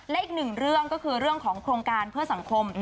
และอีกหนึ่งเรื่องก็คือเรื่องของโครงการเพื่อสังคม